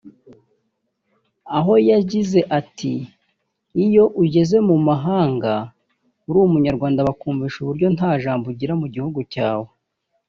aho yajyize ati « iyo ujyeze mu mahanga uri umunyarwanda bakumvisha uburyo nta jambo ugira mu gihugu cyawe